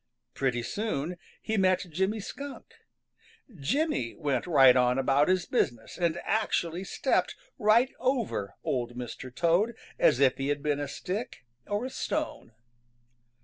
Pretty soon he met Jimmy Skunk. Jimmy went right on about his business and actually stepped right over Old Mr. Toad as if he had been a stick or a stone.